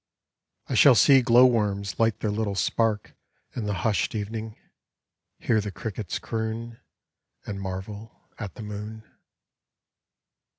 I shall see glow worms light their little spark In the hushed evening; hear die crickets croon, And marvel at the moon.